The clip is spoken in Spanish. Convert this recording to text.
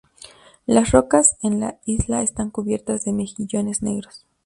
Las rocas en la isla están cubiertas de mejillones negros.